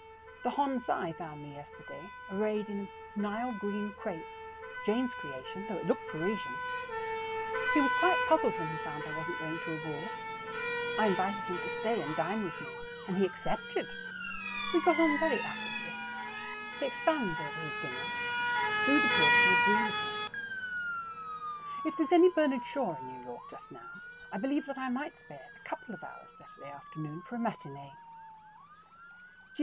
The Hon. Cy found me yesterday arrayed in a Nile green crepe (Jane's creation, though it looked Parisian). He was quite puzzled when he found I wasn't going to a ball. I invited him to stay and dine with me, and he accepted! We got on very affably. He expands over his dinner. Food appears to agree with him. If there's any Bernard Shaw in New York just now, I believe that I might spare a couple of hours Saturday afternoon for a matinee.